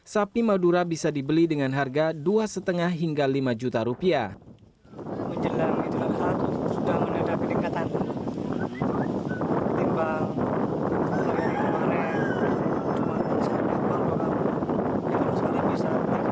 sapi madura bisa dibeli dengan harga dua lima hingga lima juta rupiah